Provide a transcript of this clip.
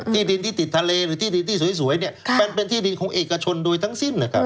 ที่ดินที่ติดทะเลหรือที่ดินที่สวยเนี่ยมันเป็นที่ดินของเอกชนโดยทั้งสิ้นนะครับ